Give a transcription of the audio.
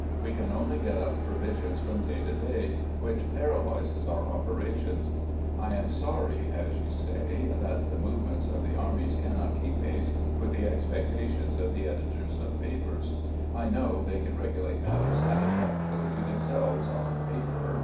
We can only get up provisions from day to day — which paralyses our operations. " I am sorry, as you say, that the movements of the armies cannot keep pace with the expectations of the editors of papers. I know they can regulate matters satisfactorily to themselves on paper.